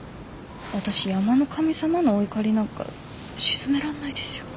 私山の神様のお怒りなんか鎮めらんないですよ？